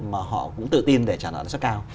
mà họ cũng tự tin để trả lợi sức cao